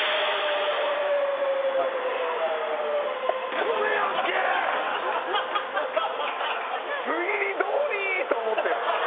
はい。推理どおり！と思って。